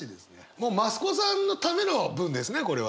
もう増子さんのための文ですねこれは。